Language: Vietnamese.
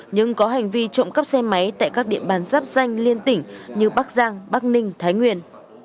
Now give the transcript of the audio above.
nhưng có hành vi trộm cắp xe máy tại các địa bàn giáp danh liên tỉnh như bắc giang bắc ninh thái nguyên